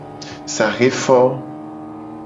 Saxe fo.